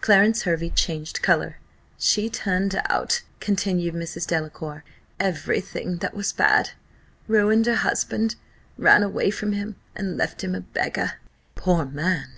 (Clarence Hervey changed colour.) "She turned out," continued Mrs. Delacour, "every thing that was bad ruined her husband ran away from him and left him a beggar." "Poor man!"